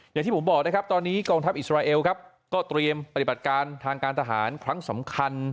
อย่างที่ผมบอกนะครับตอนนี้กองทัพอิสราเอลครับก็เตรียมปฏิบัติการทางการทหารครั้งสำคัญ